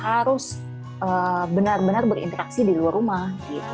harus benar benar berinteraksi di luar rumah